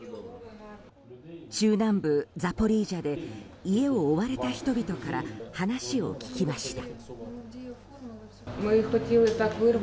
中南部ザポリージャで家を追われた人々から話を聞きました。